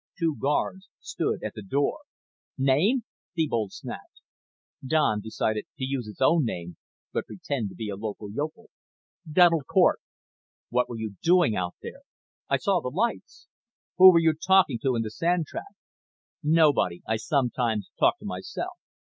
Two guards stood at the door. "Name?" Thebold snapped. Don decided to use his own name but pretend to be a local yokel. "Donald Cort." "What were you doing out there?" "I saw the lights." "Who were you talking to in the sand trap?" "Nobody. I sometimes talk to myself."